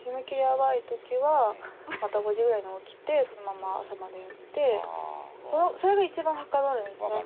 ヤバい時はまた５時ぐらいに起きてそのまま朝までやってそれが一番はかどるんですね。